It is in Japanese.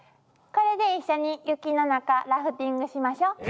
これで一緒に雪の中ラフティングしましょ。